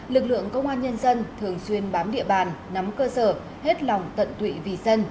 lực lượng công an nhân dân thường xuyên bám địa bàn nắm cơ sở hết lòng tận tụy vì dân